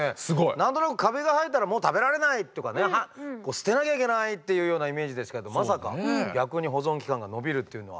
何となくカビが生えたら「もう食べられない」とかね「捨てなきゃいけない」っていうようなイメージですけれどもまさか逆に保存期間が延びるっていうのは。